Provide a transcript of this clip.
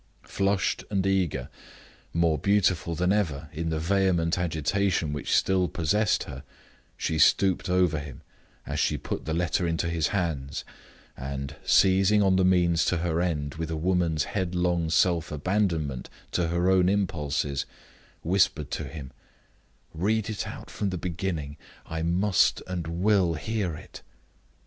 Flushed and eager, more beautiful than ever in the vehement agitation which still possessed her, she stooped over him as she put the letter into his hands, and, seizing on the means to her end with a woman's headlong self abandonment to her own impulses, whispered to him, "Read it out from the beginning. I must and will hear it!"